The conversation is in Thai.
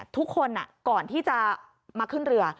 ทุกคนก่อนที่จะมาขึ้นเรือ